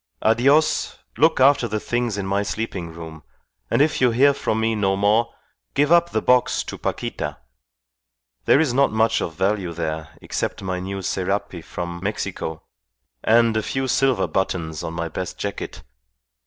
"Adios, look after the things in my sleeping room, and if you hear from me no more, give up the box to Paquita. There is not much of value there, except my new serape from Mexico, and a few silver buttons on my best jacket.